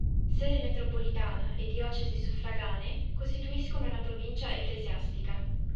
Sede metropolitana e diocesi suffraganee costituiscono una provincia ecclesiastica.